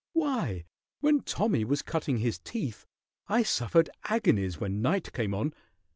Why, when Tommy was cutting his teeth I suffered agonies when night came on.